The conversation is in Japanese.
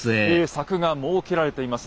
柵が設けられています。